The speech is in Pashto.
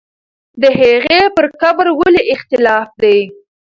د هغې پر قبر ولې اختلاف دی؟